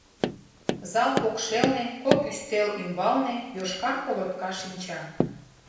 Зал покшелне, кок ӱстел ӱмбалне, йошкар колотка шинча.